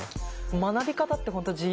学び方って本当自由だな。